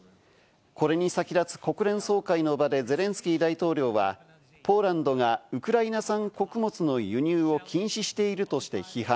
これに先立つ国連総会の場でゼレンスキー大統領は、ポーランドがウクライナ産穀物の輸入を禁止しているとして批判。